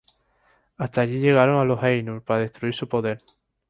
Hasta allí llegaron los Ainur para destruir su poder.